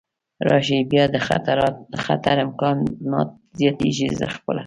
راشي، بیا د خطر امکانات زیاتېږي، زه خپله.